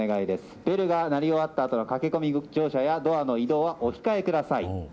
ベルが鳴り終わったあとの駆け込み乗車やドアの移動はお控えください。